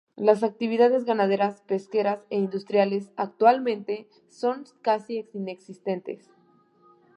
Las actividades ganaderas, pesqueras e industriales, actualmente, son casi inexistentes.